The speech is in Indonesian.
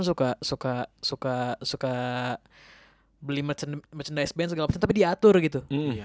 suka beli merchanda s band segala macem tapi diatur gitu